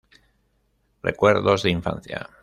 Recuerdos de Infancia.